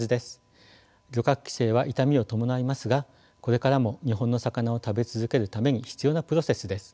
漁獲規制は痛みを伴いますがこれからも日本の魚を食べ続けるために必要なプロセスです。